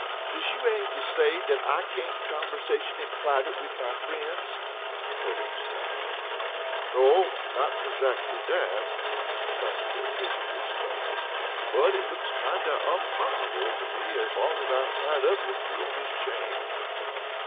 "Does you aim to say dat I cain't conversation in privut wid my frien's?" Pearline snapped. "No'm not perzackly dat," Plaster hastened to explain. "But it looks kinder onpossible to me as long as I'm tied up wid you on dis chain."